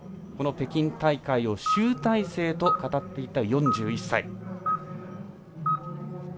この北京大会を集大成と語っていた４１歳。